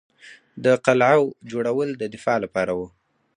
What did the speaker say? د قلعو جوړول د دفاع لپاره وو